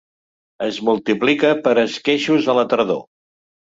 Es multiplica per esqueixos a la tardor.